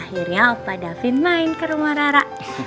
akhirnya opa daphine main ke rumah rara